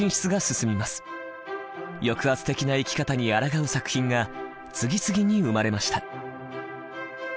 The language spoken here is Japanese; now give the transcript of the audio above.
抑圧的な生き方にあらがう作品が次々に生まれました。